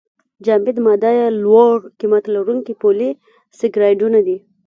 جامد ماده یې لوړ قیمت لرونکي پولې سکرایډونه دي.